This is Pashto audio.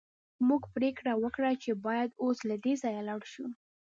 موږ پریکړه وکړه چې باید اوس له دې ځایه لاړ شو